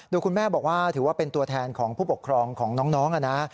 โดยคุณแม่บอกว่าถือว่าเป็นตัวแทนของผู้ปกครองของน้องนะ